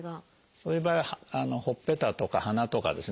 そういう場合はほっぺたとか鼻とかですね